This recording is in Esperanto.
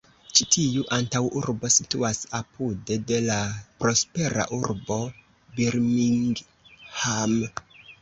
Ĉi tiu antaŭurbo situas apude de la prospera urbo Birmingham.